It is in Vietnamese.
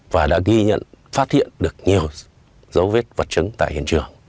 và đã ghi nhận phát hiện được nhiều dấu vết vật chứng tại hiện trường